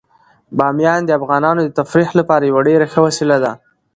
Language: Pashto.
بامیان د افغانانو د تفریح لپاره یوه ډیره ښه وسیله ده.